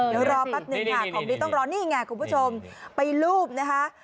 เดี๋ยวรอแป๊บหนึ่งค่ะของดีต้องรอนี่ไงคุณผู้ชมไปรูปนะคะ